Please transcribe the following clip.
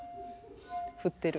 振ってる。